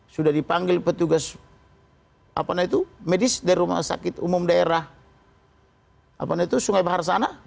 sudah dipanggil petugas medis dari rumah sakit umum daerah sungai bahar sana